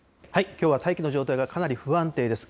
きょうは大気の状態がかなり不安定です。